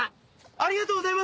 ありがとうございます！